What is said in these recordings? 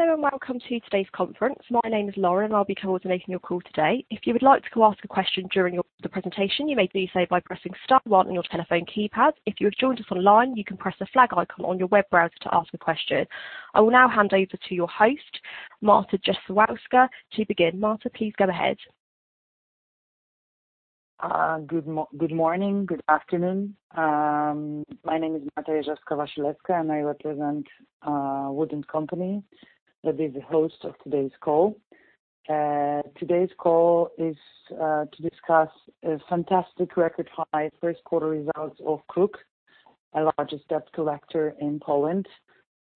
Hello, and welcome to today's conference. My name's Lauren, I'll be coordinating your call today. If you would like to ask a question during the presentation, you may do so by pressing star one on your telephone keypad. If you've joined us online, you can press the flag icon on your web browser to ask a question. I will now hand over to your host, Marta Jezewska, to begin. Marta, please go ahead. Good morning, good afternoon. My name is Marta Jezewska, and I represent WOOD & Company. I'll be the host of today's call. Today's call is to discuss a fantastic record-high first quarter results of KRUK, our largest debt collector in Poland.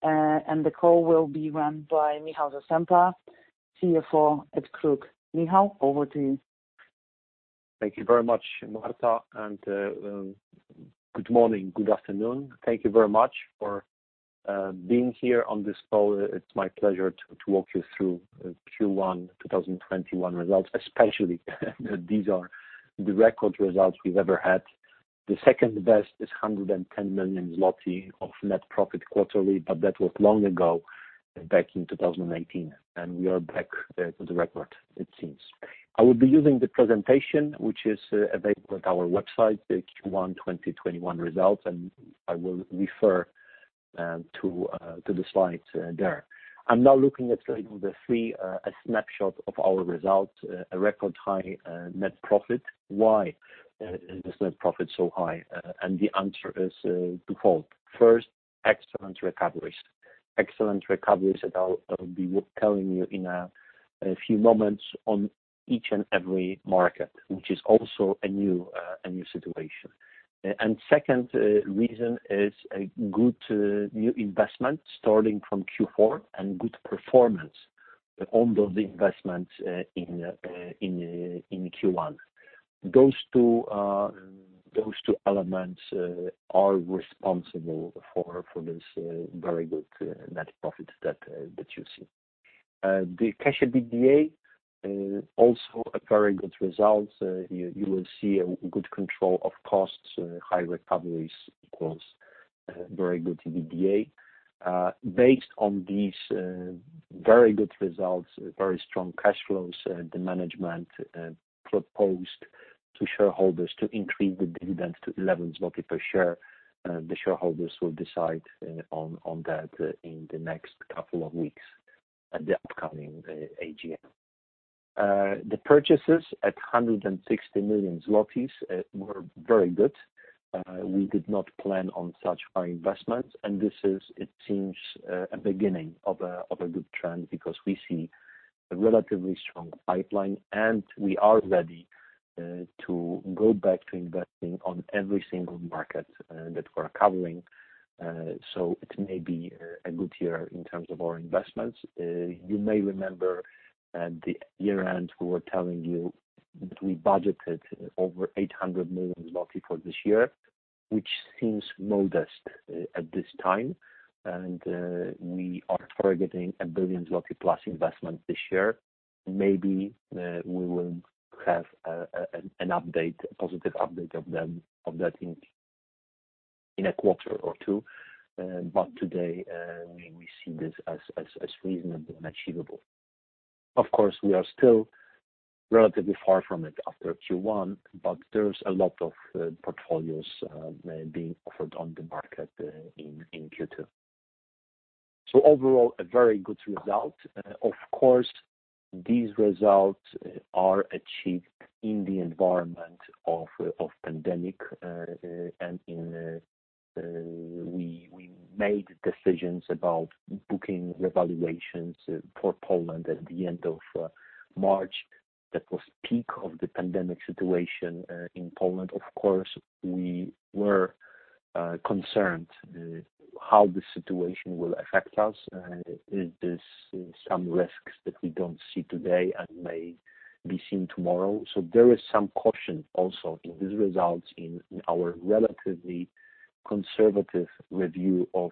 The call will be run by Michał Zasępa, CFO at KRUK. Michał, over to you. Thank you very much, Marta, and good morning, good afternoon. Thank you very much for being here on this call. It's my pleasure to walk you through the Q1 2021 results, especially these are the record results we've ever had. The second-best is 110 million zloty of net profit quarterly, but that was long ago, back in 2019, and we are back to the record it seems. I will be using the presentation, which is available on our website, the Q1 2021 results, and I will refer to the slides there. I'm now looking at slide number three, a snapshot of our results, a record-high net profit. Why is the net profit so high? The answer is twofold. First, excellent recoveries. Excellent recoveries, and I'll be telling you in a few moments on each and every market, which is also a new situation. Second reason is a good new investment starting from Q4 and good performance on those investments in Q1. Those two elements are responsible for this very good net profit that you see. The cash EBITDA, also a very good result. You will see a good control of costs. High recoveries equals very good EBITDA. Based on these very good results, very strong cash flows, the management proposed to shareholders to increase the dividends to 11 zloty per share. The shareholders will decide on that in the next couple of weeks at the upcoming AGM. The purchases at 160 million zlotys were very good. We did not plan on such high investments, and this is, it seems, a beginning of a good trend because we see a relatively strong pipeline, and we are ready to go back to investing on every single market that we're covering. It may be a good year in terms of our investments. You may remember at the year-end, we were telling you that we budgeted over 800 million zloty for this year, which seems modest at this time. We are targeting 1+ billion zloty investment this year. Maybe we will have a positive update of that in a quarter or two. Today, we see this as reasonable and achievable. Of course, we are still relatively far from it after Q1, but there's a lot of portfolios being offered on the market in Q2. Overall, a very good result. These results are achieved in the environment of pandemic, and we made decisions about booking revaluations for Poland at the end of March. That was peak of the pandemic situation in Poland. Of course, we were concerned how the situation will affect us. Is this some risks that we don't see today and may be seen tomorrow. There is some caution also in these results in our relatively conservative review of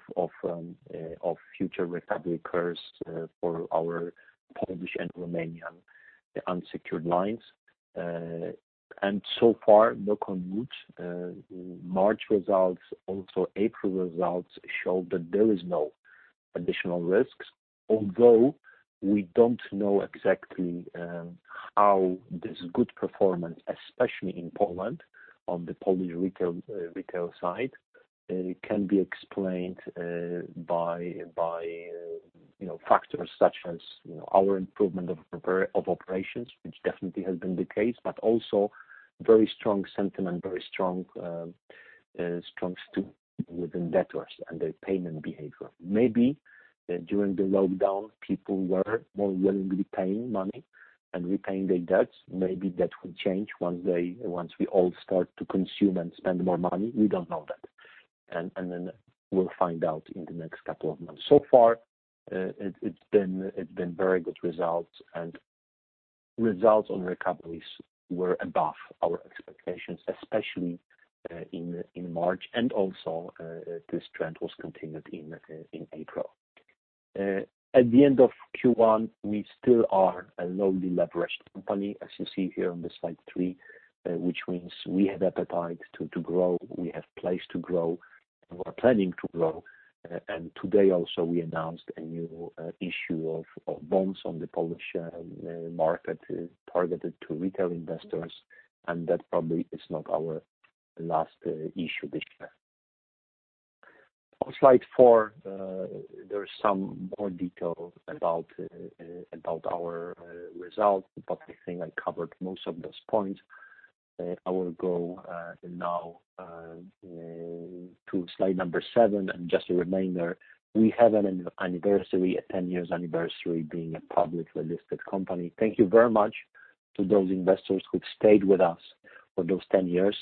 future recoveries for our Polish and Romanian unsecured lines. So far, knock on wood, March results also April results show that there is no additional risks, although we don't know exactly how this good performance, especially in Poland on the Polish retail side, can be explained by factors such as our improvement of operations, which definitely has been the case, but also very strong sentiment, very strong within debtors and their payment behavior. Maybe during the lockdown, people were more willingly paying money and repaying their debts. Maybe that will change one day once we all start to consume and spend more money. We don't know that. Then we'll find out in the next couple of months. So far, it's been very good results, and results on recoveries were above our expectations, especially in March. Also, this trend was continued in April. At the end of Q1, we still are a lowly leveraged company, as you see here on the Slide 3, which means we have appetite to grow. We have place to grow. We're planning to grow. Today also, we announced a new issue of bonds on the Polish market targeted to retail investors, and that probably is not our last issue this year. On Slide 4, there's some more detail about our results, but I think I covered most of those points. I will go now to slide number seven, and just a reminder, we had an anniversary, a 10 years anniversary being a publicly listed company. Thank you very much to those investors who'd stayed with us for those 10 years.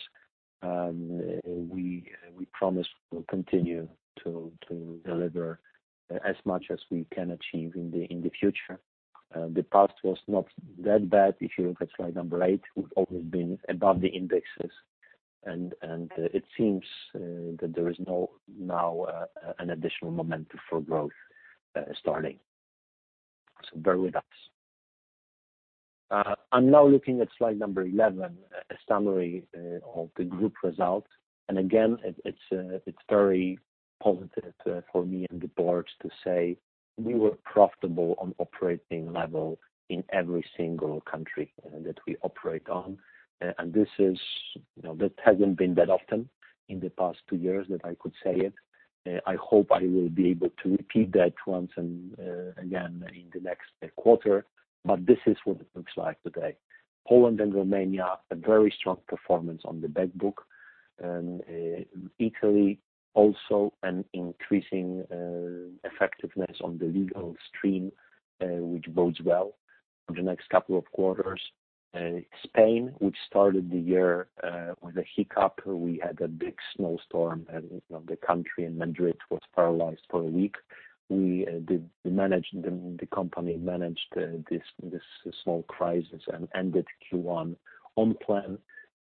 We promise we'll continue to deliver as much as we can achieve in the future. The past was not that bad. If you look at slide number eight, we've always been above the indexes, and it seems that there is now an additional momentum for growth starting. Bear with us. I'm now looking at slide number 11, a summary of the group results. Again, it's very positive for me and the Board to say we were profitable on operating level in every single country that we operate on. That hasn't been that often in the past two years that I could say it. I hope I will be able to repeat that once again in the next quarter, but this is what it looks like today. Poland and Romania, a very strong performance on the bad book. Italy also an increasing effectiveness on the legal stream, which bodes well for the next couple of quarters. Spain, which started the year with a hiccup, we had a big snowstorm and the country and Madrid was paralyzed for a week. The company managed this small crisis and ended Q1 on plan,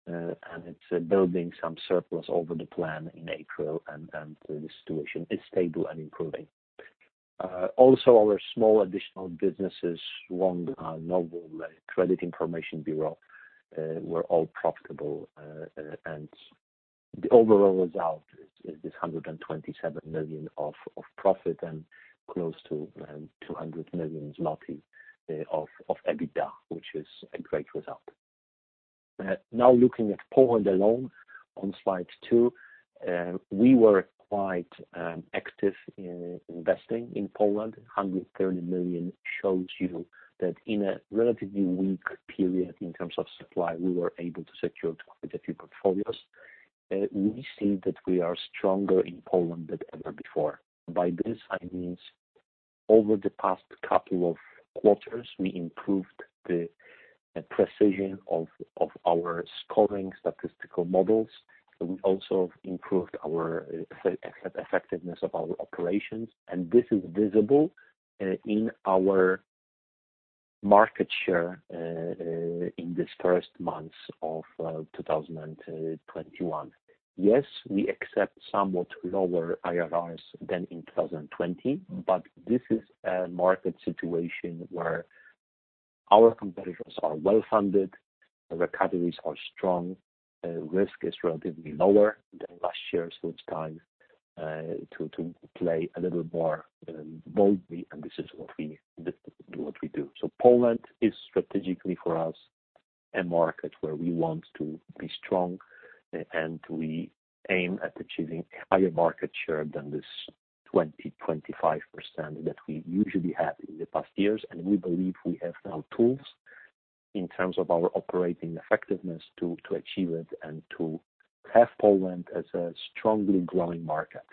and it's building some surplus over the plan in April, and the situation is stable and improving. Also, our small additional businesses, Wonga, Novum, credit information bureau, were all profitable, and the overall result is this 127 million of profit and close to 200 million zloty of EBITDA, which is a great result. Now looking at Poland alone on Slide 2, we were quite active in investing in Poland. 130 million shows you that in a relatively weak period in terms of supply, we were able to secure quite a few portfolios. We see that we are stronger in Poland than ever before. By this I mean, over the past couple of quarters, we improved the precision of our scoring statistical models, and we also improved our effectiveness of our operations. This is visible in our market share in this first month of 2021. Yes, we accept somewhat lower IRRs than in 2020, but this is a market situation where our competitors are well-funded, recoveries are strong, risk is relatively lower than last year, so it's time to play a little more boldly, and this is what we do. Poland is strategically for us, a market where we want to be strong, and we aim at achieving a higher market share than this 20%, 25% that we usually had in the past years. We believe we have now tools in terms of our operating effectiveness to achieve it and to have Poland as a strongly growing market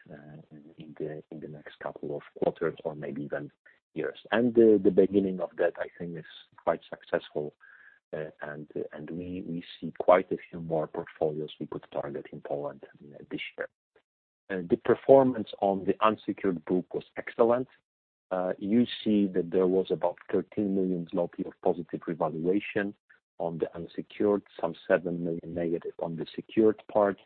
in the next couple of quarters or maybe even years. The beginning of that, I think, is quite successful, and we see quite a few more portfolios we could target in Poland this year. The performance on the unsecured book was excellent. You see that there was about 13 million zloty of positive revaluation on the unsecured, some 7 million negative on the secured part.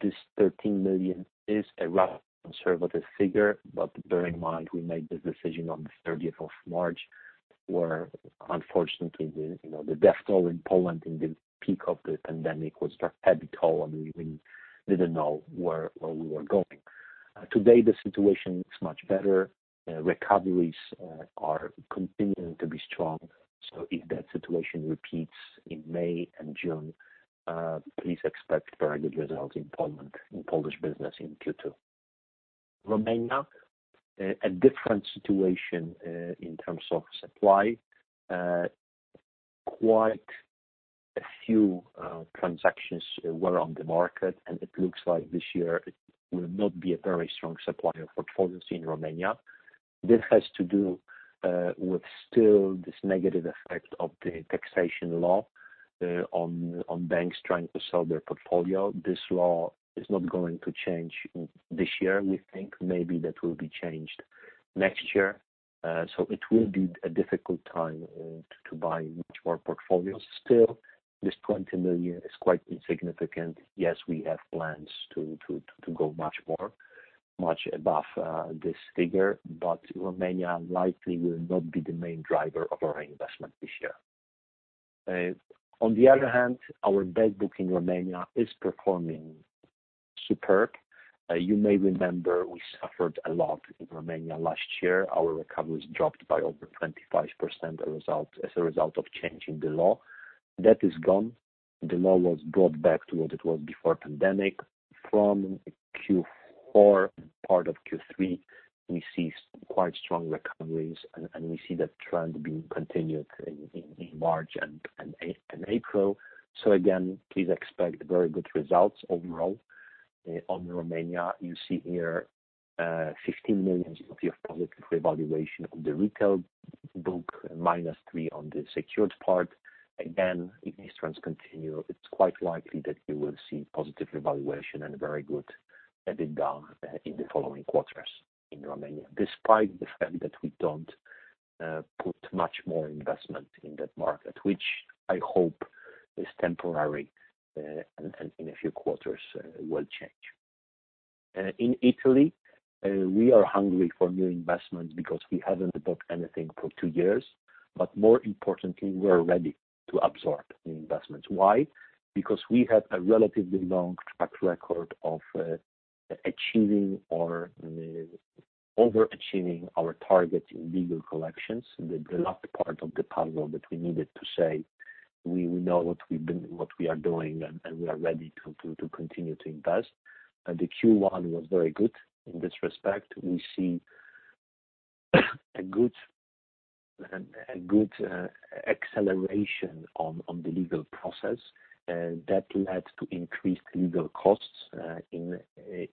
This 13 million is a rather conservative figure, but bear in mind, we made the decision on the 30th of March, where unfortunately, the death toll in Poland in the peak of the pandemic was quite heavy toll, and we didn't know where we were going. Today, the situation is much better. Recoveries are continuing to be strong. If that situation repeats in May and June, please expect very good results in Poland, in Polish business in Q2. Romania, a different situation in terms of supply. Quite a few transactions were on the market, and it looks like this year it will not be a very strong supplier for portfolios in Romania. This has to do with still this negative effect of the taxation law on banks trying to sell their portfolio. This law is not going to change this year. We think maybe that will be changed next year. It will be a difficult time to buy much more portfolios. Still, this 20 million is quite significant. Yes, we have plans to go much more, much above this figure. Romania likely will not be the main driver of our investment this year. On the other hand, our bad book in Romania is performing superb. You may remember we suffered a lot in Romania last year. Our recoveries dropped by over 25% as a result of changing the law. That is gone. The law was brought back to what it was before pandemic. From Q4 and part of Q3, we see quite strong recoveries, and we see that trend being continued in March and April. Again, please expect very good results overall on Romania. You see here 15 million of positive revaluation on the retail book, -3 on the secured part. Again, if these trends continue, it's quite likely that you will see positive revaluation and very good EBITDA in the following quarters in Romania, despite the fact that we don't put much more investment in that market. Which I hope is temporary, and in a few quarters will change. In Italy, we are hungry for new investment because we haven't bought anything for two years, more importantly, we are ready to absorb new investments. Why? Because we have a relatively long track record of achieving or overachieving our target in legal collections, the last part of the puzzle that we needed to say, "We know what we are doing, and we are ready to continue to invest." The Q1 was very good in this respect. We see a good acceleration on the legal process that led to increased legal costs in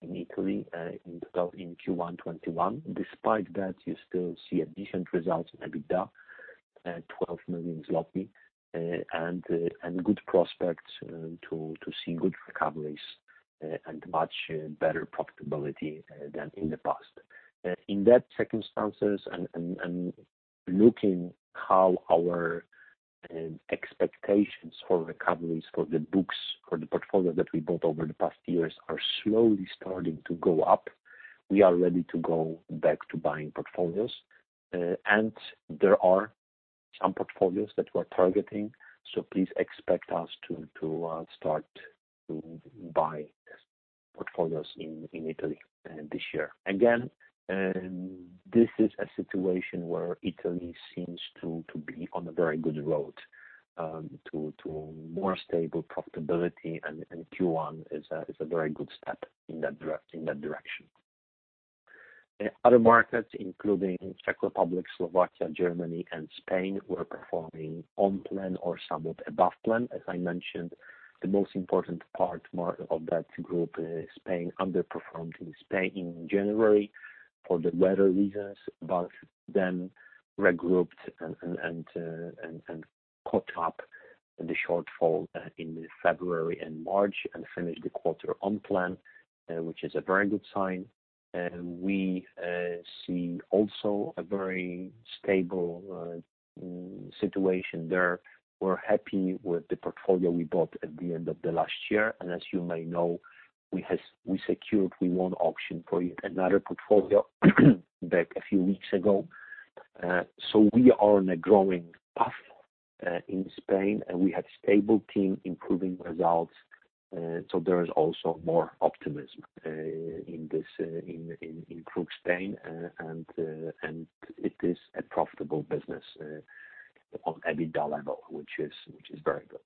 Italy in Q1 2021. Despite that, you still see a decent result in EBITDA, 12 million, and good prospects to see good recoveries and much better profitability than in the past. In that circumstances, looking how our expectations for recoveries for the books, for the portfolio that we bought over the past years are slowly starting to go up. We are ready to go back to buying portfolios. There are some portfolios that we're targeting. Please expect us to start to buy portfolios in Italy this year. Again, this is a situation where Italy seems to be on a very good road to more stable profitability, and Q1 is a very good step in that direction. Other markets, including Czech Republic, Slovakia, Germany, and Spain, were performing on plan or somewhat above plan. As I mentioned, the most important part of that group, Spain, underperformed in Spain in January for the weather reasons, but then regrouped and caught up the shortfall in February and March and finished the quarter on plan, which is a very good sign. We see also a very stable situation there. We're happy with the portfolio we bought at the end of the last year. As you may know, we secured, we won auction for another portfolio back a few weeks ago. We are in a growing path in Spain, and we have a stable team improving results. There is also more optimism in KRUK Spain, and it is a profitable business on EBITDA level, which is very good.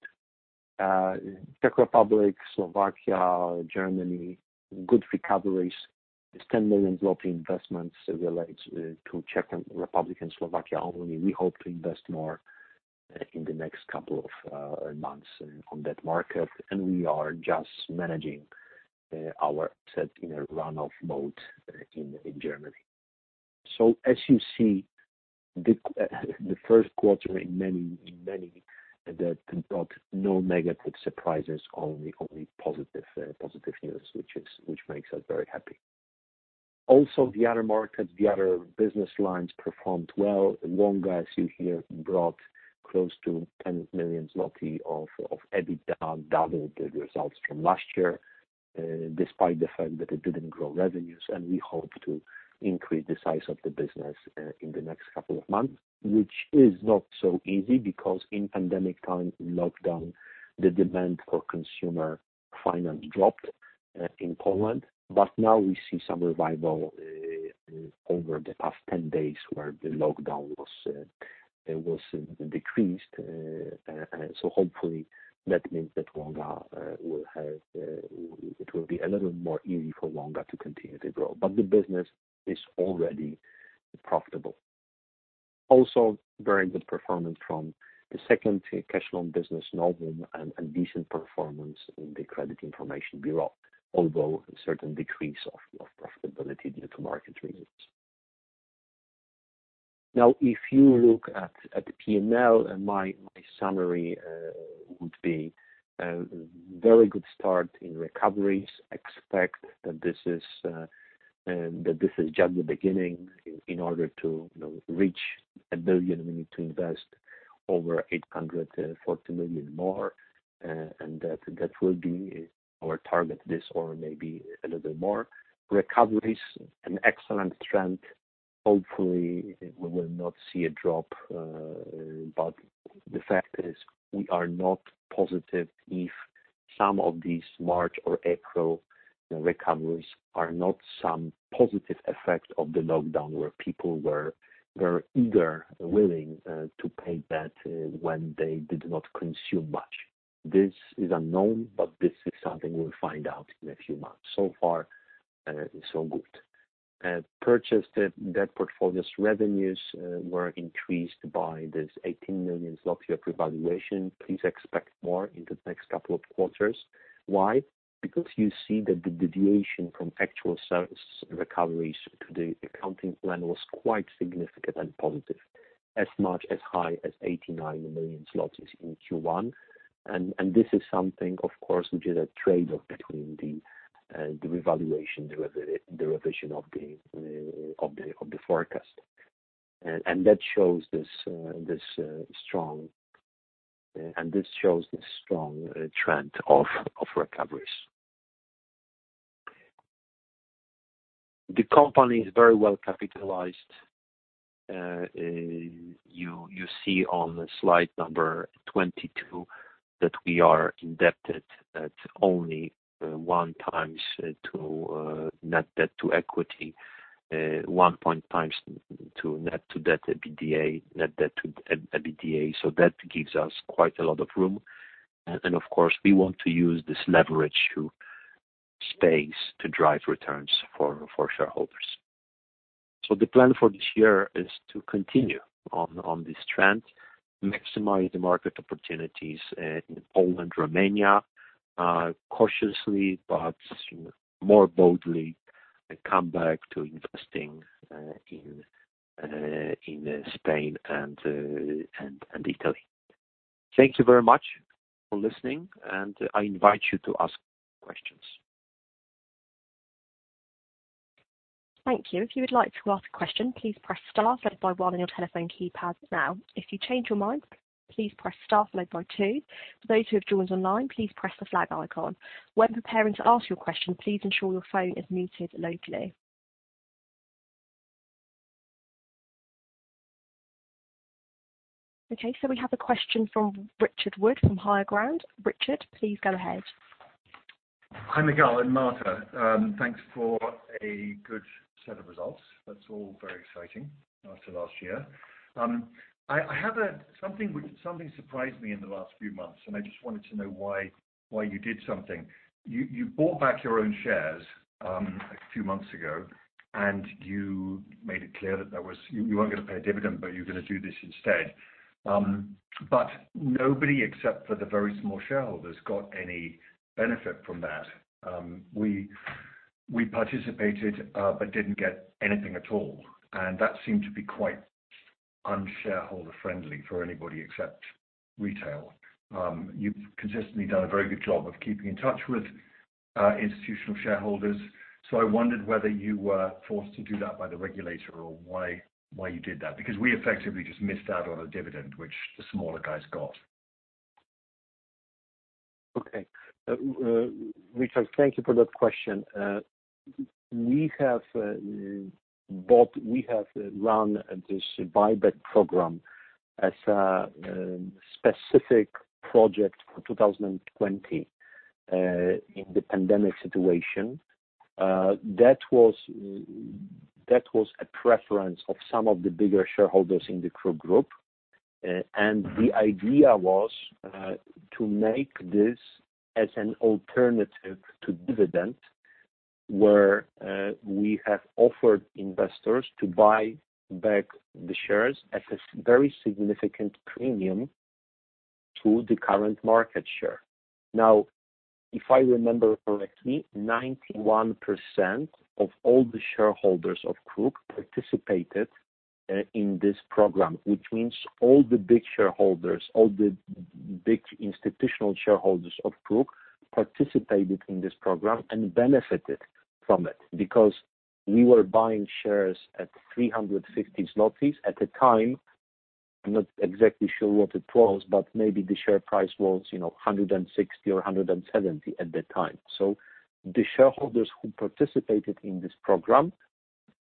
Czech Republic, Slovakia, Germany, good recoveries. It's 10 million investments relates to Czech Republic and Slovakia only. We hope to invest more in the next couple of months on that market, and we are just managing our asset in a run-off mode in Germany. As you see, the first quarter in many, no negative surprises, only positive news, which makes us very happy. Also, the other markets, the other business lines performed well. Wonga, as you hear, brought close to 10 million zloty of EBITDA, doubled the results from last year, despite the fact that it didn't grow revenues. We hope to increase the size of the business in the next couple of months, which is not so easy because in pandemic time, in lockdown, the demand for consumer finance dropped in Poland. Now we see some revival over the past 10 days where the lockdown was decreased. Hopefully, that means that It will be a little more easy for Wonga to continue to grow. The business is already profitable. Also, very good performance from the second cash loan business, Novum, and a decent performance in the credit information, Bureau, although a certain decrease of profitability due to market reasons. If you look at the P&L, my summary would be a very good start in recoveries. Expect that this is just the beginning. In order to reach 1 billion, we need to invest over 840 million more. That will be our target this or maybe a little bit more. Recoveries, an excellent trend. Hopefully, we will not see a drop. The fact is, we are not positive if some of these March or April recoveries are not some positive effect of the lockdown, where people were very eager and willing to pay debt when they did not consume much. This is unknown. This is something we'll find out in a few months. So far, so good. Purchased debt portfolios revenues were increased by this 18 million zloty revaluation. Please expect more in the next couple of quarters. Why? You see that the deviation from actual service recoveries to the accounting plan was quite significant and positive. As much as high as 89 million zlotys in Q1. This is something, of course, we did a trade-off between the revaluation, the revision of the forecast. That shows this strong trend of recoveries. The company is very well capitalized. You see on slide number 22 that we are indebted at only 1x to net debt to equity, net debt to EBITDA. That gives us quite a lot of room. Of course, we want to use this leverage space to drive returns for shareholders. The plan for this year is to continue on this trend, maximize the market opportunities in Poland, Romania, cautiously, but more boldly, and come back to investing in Spain and Italy. Thank you very much for listening, and I invite you to ask questions. Thank you. If you would like to ask a question please press star followed by one on your telephone keypad now. If you chage you mind, please press star followed by two. Those who have joined us online, please press the flag icon. While preparing to ask your question, please ensure your phone is muted locally. Okay. We have a question from Richard Wood from Higher Ground. Richard, please go ahead. Hi, Michał and Marta. Thanks for a good set of results. That's all very exciting after last year. Something surprised me in the last few months. I just wanted to know why you did something. You bought back your own shares, a few months ago. You made it clear that you weren't going to pay a dividend. You were going to do this instead. Nobody except for the very small shareholders got any benefit from that. We participated but didn't get anything at all. That seemed to be quite un-shareholder friendly for anybody except retail. You've consistently done a very good job of keeping in touch with institutional shareholders. I wondered whether you were forced to do that by the regulator or why you did that, because we effectively just missed out on a dividend, which the smaller guys got. Okay. Richard, thank you for that question. We have run this buyback program as a specific project for 2020 in the pandemic situation. That was a preference of some of the bigger shareholders in the group. The idea was to make this as an alternative to dividend, where we have offered investors to buy back the shares at a very significant premium to the current market share. Now, if I remember correctly, 91% of all the shareholders of KRUK participated in this program, which means all the big shareholders, all the big institutional shareholders of KRUK participated in this program and benefited from it because we were buying shares at 360 zlotys at the time. I'm not exactly sure what it was, maybe the share price was 160 or 170 at the time. The shareholders who participated in this program,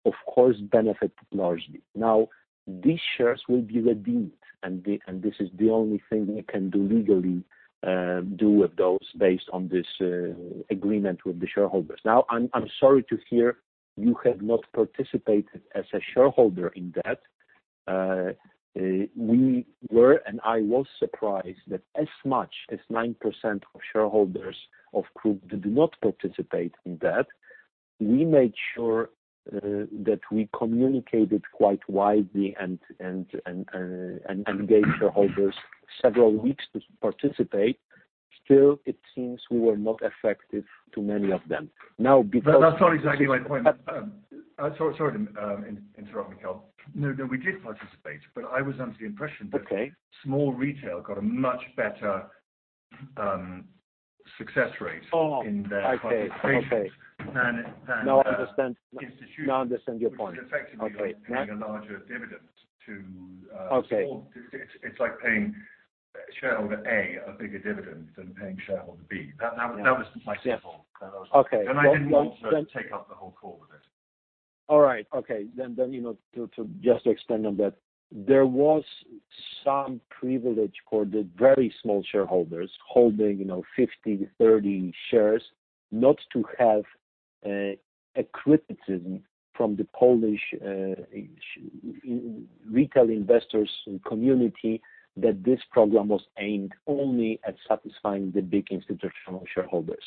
of course, benefited largely. Now, these shares will be redeemed, and this is the only thing we can legally do with those based on this agreement with the shareholders. I'm sorry to hear you have not participated as a shareholder in that. I was surprised that as much as 9% of shareholders of KRUK did not participate in that. We made sure that we communicated quite widely and gave shareholders several weeks to participate. It seems we were not effective to many of them. That's not exactly my point. Sorry to interrupt, Michał. We did participate. But I was under the impression that small retail got a much better success rate. Okay. In their participation than- Now I understand. institution- Now I understand your point. Okay. Which is effectively like paying a larger dividend to small- Okay. It's like paying shareholder A a bigger dividend than paying shareholder B. Okay. I didn't want to take up the whole call with it. All right. Okay. Just to explain on that, there was some privilege for the very small shareholders holding 50 to 30 shares not to have a criticism from the Polish retail investors community that this program was aimed only at satisfying the big institutional shareholders.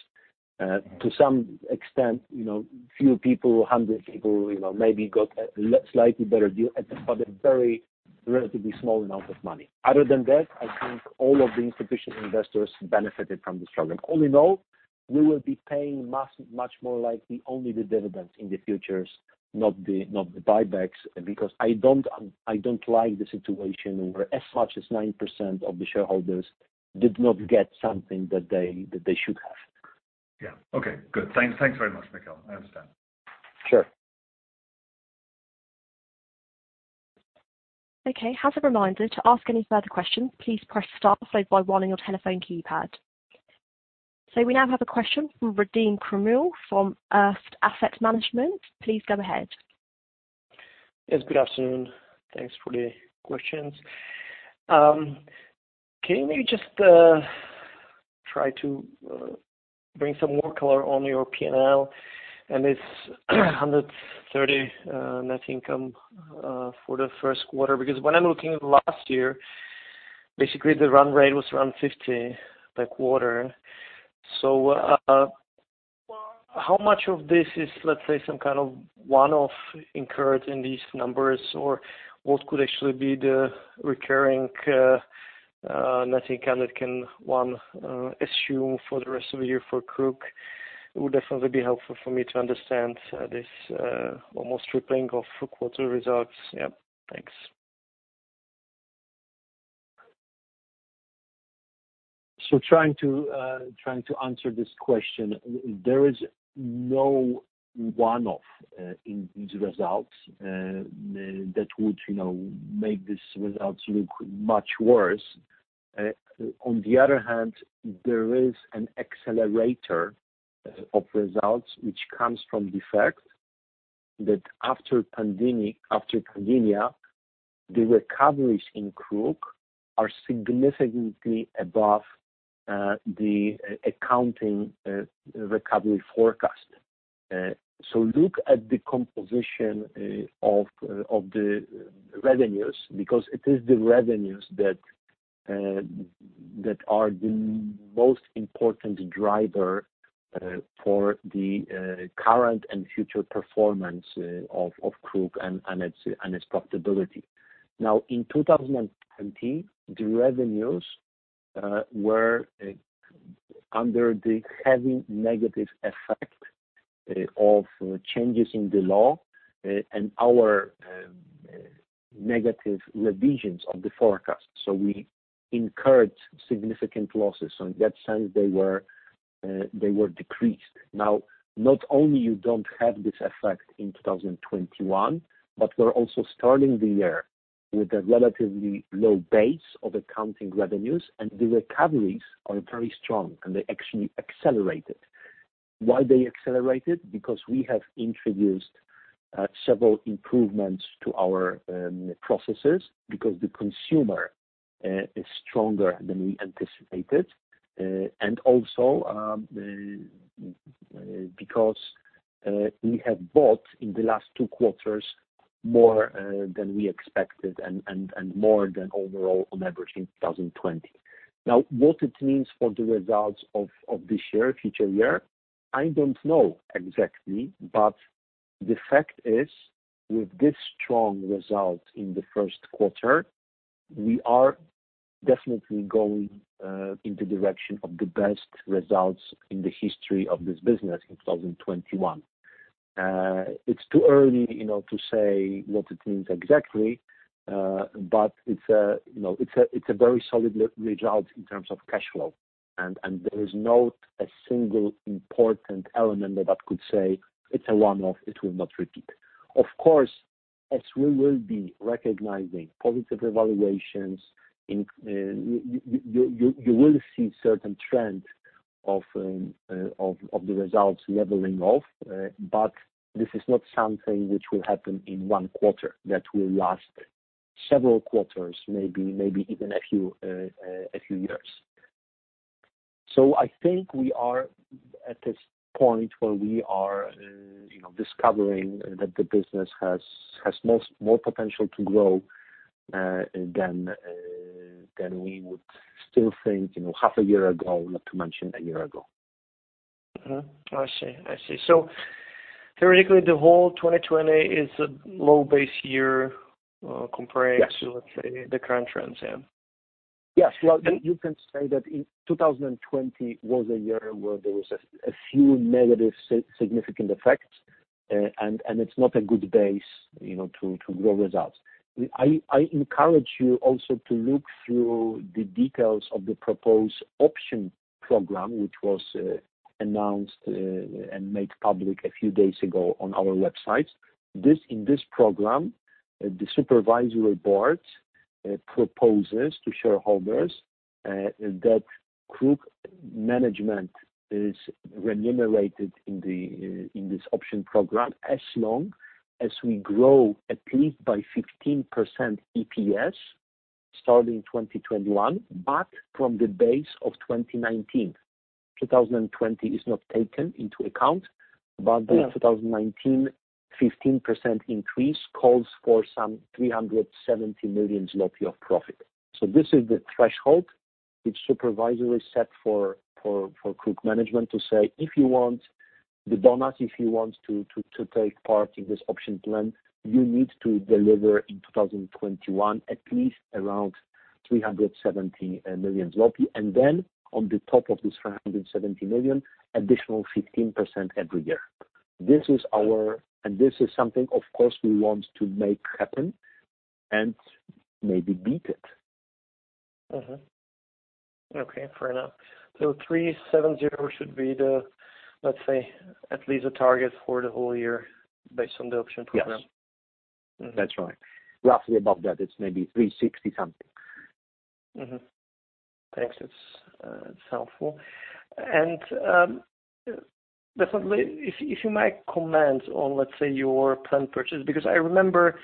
To some extent, a few people, 100 people, maybe got a slightly better deal, for the very relatively small amount of money. Other than that, I think all of the institutional investors benefited from this program. All in all, we will be paying much more likely only the dividends in the future, not the buybacks, because I don't like the situation where as much as 90% of the shareholders did not get something that they should have. Yeah. Okay. Good. Thanks very much, Michał. I understand. Sure. Okay. As a reminder, to ask any further questions, please press star 51 on your telephone keypad. We now have a question from Radim Kramule from Erste Asset Management. Please go ahead. Yes, good afternoon. Thanks for the questions. Can you just try to bring some more color on your P&L and its net income for the first quarter? When I'm looking at last year, basically the run rate was around 50 million the quarter. How much of this is, let's say, some kind of one-off incurred in these numbers? What could actually be the recurring net income that can one assume for the rest of the year for KRUK? It would definitely be helpful for me to understand this almost tripling of quarter results. Yeah, thanks. Trying to answer this question, there is no one-off in these results that would make these results look much worse. On the other hand, there is an accelerator of results, which comes from the fact that after pandemic, the recoveries in KRUK are significantly above the accounting recovery forecast. Look at the composition of the revenues, because it is the revenues that are the most important driver for the current and future performance of KRUK and its profitability. In 2020, the revenues were under the heavy negative effect of changes in the law and our negative revisions of the forecast. We incurred significant losses. On that sense, they were decreased. Not only you don't have this effect in 2021, but we're also starting the year with a relatively low base of accounting revenues, and the recoveries are very strong, and they actually accelerated. Why they accelerated? We have introduced several improvements to our processes because the consumer is stronger than we anticipated, and also because we have bought in the last two quarters more than we expected and more than overall on average in 2020. What it means for the results of this year, future year, I don't know exactly, but the fact is, with this strong result in the first quarter, we are definitely going in the direction of the best results in the history of this business in 2021. It's too early to say what it means exactly, but it's a very solid result in terms of cash flow. There is not a single important element that I could say it's a one-off, it will not repeat. Of course, as we will be recognizing positive evaluations, you will see a certain trend of the results leveling off. This is not something which will happen in one quarter. That will last several quarters, maybe even a few years. I think we are at this point where we are discovering that the business has more potential to grow than we would still think half a year ago, not to mention a year ago. I see. Theoretically, the whole 2020 is a low base year. Yes let's say, the current trends, yeah. Yes. Well, you can say that 2020 was a year where there was a few negative significant effects, and it's not a good base to grow results. I encourage you also to look through the details of the proposed option program, which was announced and made public a few days ago on our website. In this program the supervisory board proposes to shareholders that group management is remunerated in this option program as long as we grow at least by 15% EPS starting 2021, but from the base of 2019. 2020 is not taken into account, but the 2019 15% increase calls for some 370 million zloty of profit. This is the threshold the supervisor has set for group management to say, "If you want the bonus, if you want to take part in this option plan, you need to deliver in 2021 at least around 370 million zloty." On the top of this 370 million, additional 15% every year. This is something, of course, we want to make happen and maybe beat it. Okay, fair enough. 370 millionshould be, let's say, at least a target for the whole year based on the option program? Yes, that's right. Roughly about that. It's maybe 360 million something. Thanks. It's helpful. Definitely, if you might comment on, let's say, your planned purchase, because I remember,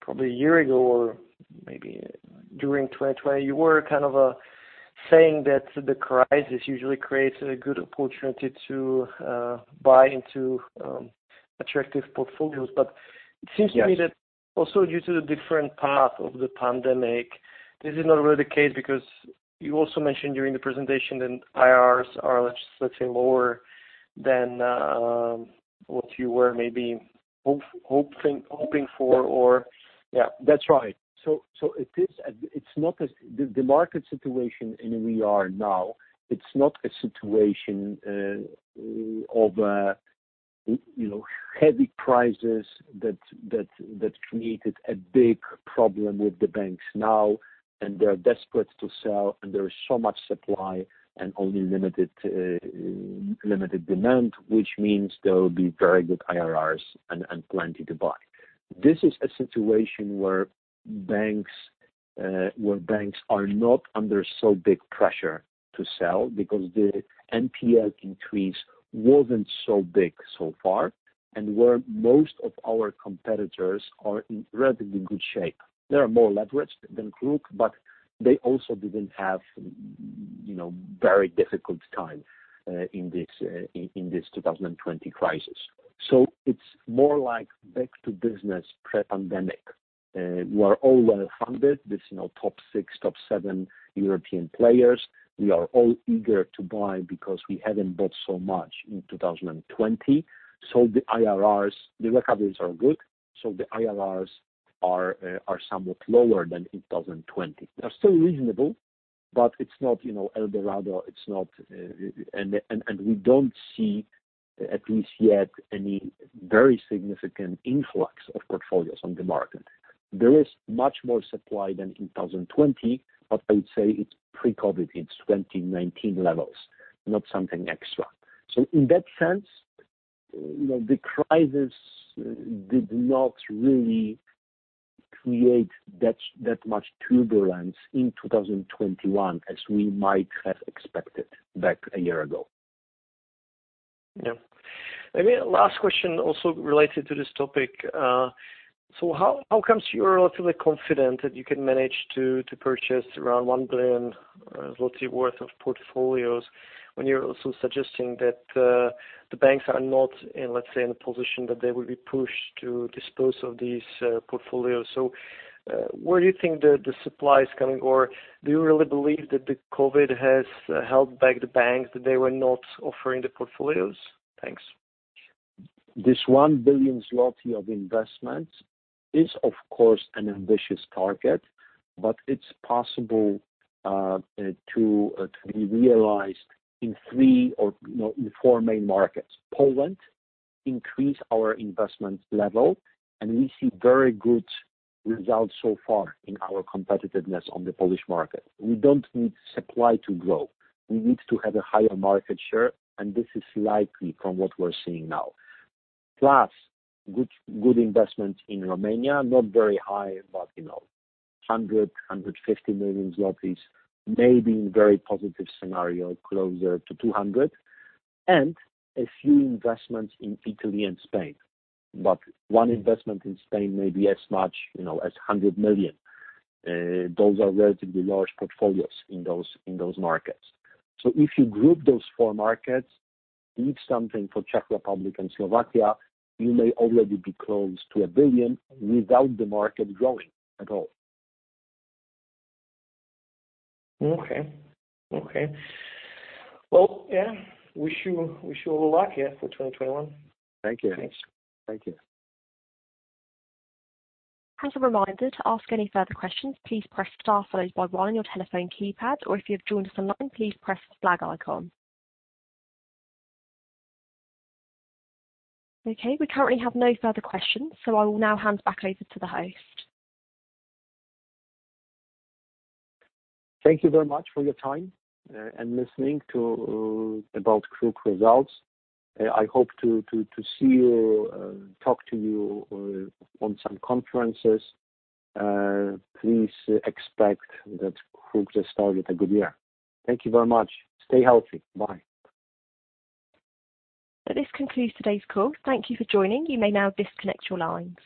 probably a year ago, or maybe during 2020, you were kind of saying that the crisis usually creates a good opportunity to buy into attractive portfolios. It seems to me that also due to the different path of the pandemic, this is not really the case, because you also mentioned during the presentation that IRRs are slightly lower than what you were maybe hoping for. That's right. The market situation, we are now, it's not a situation of a heavy crisis that created a big problem with the banks now, they are desperate to sell, there's so much supply and only limited demand, which means there will be very good IRRs and plenty to buy. This is a situation where banks are not under so big pressure to sell because the NPL increase wasn't so big so far, where most of our competitors are in relatively good shape. They are more leveraged than KRUK, they also didn't have a very difficult time in this 2020 crisis. It's more like back to business pre-pandemic. We are all well-funded. These top six, top seven European players, we are all eager to buy because we haven't bought so much in 2020. The revenues are good, the IRRs are somewhat lower than in 2020. They're still reasonable, but it's not El Dorado. We don't see, at least yet, any very significant influx of portfolios on the market. There is much more supply than in 2020, but I would say it's pre-COVID. It's 2019 levels, not something extra. In that sense, the crisis did not really create that much turbulence in 2021 as we might have expected back a year ago. Yeah. Maybe last question also related to this topic. How comes you are relatively confident that you can manage to purchase around 1 billion zloty worth of portfolios when you're also suggesting that the banks are not in a position that they will be pushed to dispose of these portfolios? Where do you think the supply is coming, or do you really believe that the COVID has held back the banks, that they were not offering the portfolios? Thanks. This 1 billion zloty of investment is, of course, an ambitious target, but it's possible to be realized in three or four main markets. Poland, increase our investment level. We see very good results so far in our competitiveness on the Polish market. We don't need supply to grow. We need to have a higher market share, and this is likely from what we're seeing now. Plus, good investment in Romania, not very high, but 100 million-150 million zlotys, maybe in very positive scenario, closer to 200 million. A few investments in Italy and Spain. One investment in Spain may be as much as 100 million. Those are relatively large portfolios in those markets. If you group those four markets, leave something for Czech Republic and Slovakia, you may already be close to 1 billion without the market growing at all. Okay. Well, yeah, wish you all the luck here for 2021. Thank you. Thanks. Thank you. As a reminder, to ask any further questions, please press star sign one on your telephone keypad, or if you've joined us online, please press the flag icon. Okay, we currently have no further questions, so I will now hand back over to the host. Thank you very much for your time and listening about KRUK results. I hope to see you, talk to you on some conferences. Please expect that KRUK has started a good year. Thank you very much. Stay healthy. Bye. This concludes today's call. Thank you for joining. You may now disconnect your lines.